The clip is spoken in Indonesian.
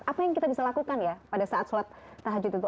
apa yang kita bisa lakukan ya pada saat sholat tahajud itu